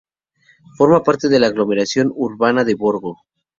Forma parte de la aglomeración urbana de Borgo.